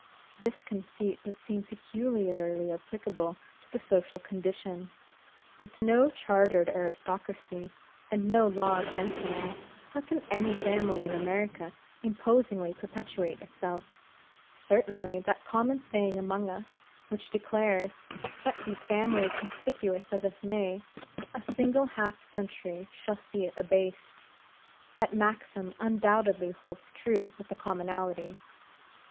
This conceit would seem peculiarly applicable to the social condition. With no chartered aristocracy, and no law of entail, how can any family in America imposingly perpetuate itself? Certainly that common saying among us, which declares, that be a family conspicuous as it may, a single half century shall see it abased; that maxim undoubtedly holds true with the commonalty.